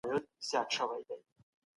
زکات د ټولني د نېکمرغۍ کیلي ده.